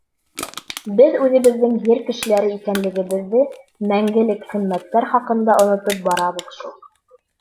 Беҙ үҙебеҙҙең Ер кешеләре икәнлегебеҙҙе, Мәңгелек ҡиммәттәр хаҡында онотоп барабыҙ шул.